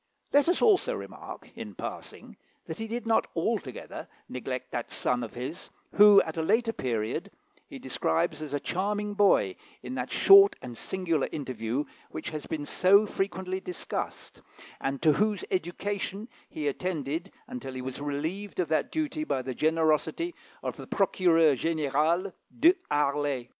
Let us also remark, in passing, that he did not altogether neglect that son of his who, at a later period, he describes as a charming boy, in that short and singular interview which has been so frequently discussed, and to whose education he attended until he was relieved of that duty by the generosity of the Procureur General, De Harlay.